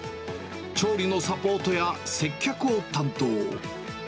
調理のサポートや接客を担当。